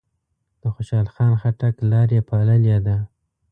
د خوشحال خان خټک لار یې پاللې ده.